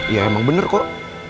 ya emang bener kok